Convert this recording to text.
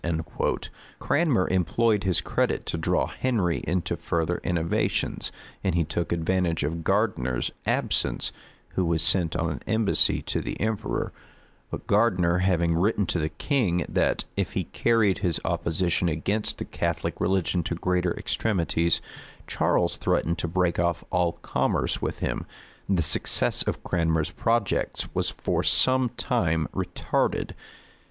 Cranmer employed his credit to draw Henry into further innovations; and he took advantage of Gardiner's absence, who was sent on an embassy to the emperor: but Gardiner having written to the king, that, if he carried his opposition against the Catholic religion to greater extremities, Charles threatened to break off all commerce with him, the success of Cranmer's projects was for some time retarded.